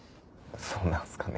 そうなんすかね？